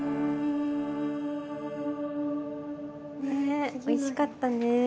ねえおいしかったね。